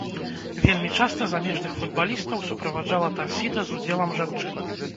Вельмі часта замежных футбалістаў суправаджала тарсіда з удзелам жанчын.